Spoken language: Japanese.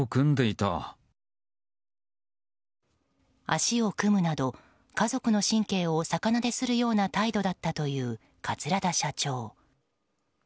足を組むなど、家族の神経を逆なでするような態度だったという桂田社長。